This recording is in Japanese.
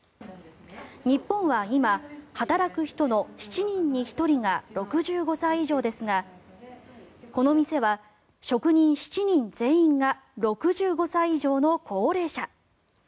日本は今、働く人の７人に１人が６５歳以上ですがこの店は、職人７人全員が６５歳以上の高齢者。